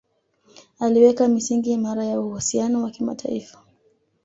Aliweka misingi imara ya uhusiano wa kimataifa